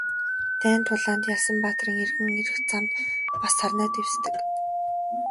Дайн тулаанд ялсан баатрын эргэн ирэх замд бас сарнай дэвсдэг.